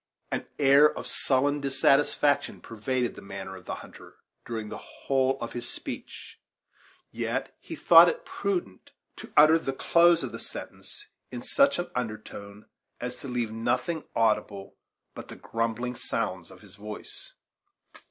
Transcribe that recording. An air of sullen dissatisfaction pervaded the manner of the hunter during the whole of his speech; yet he thought it prudent to utter the close of the sentence in such an undertone as to leave nothing audible but the grumbling sounds of his voice.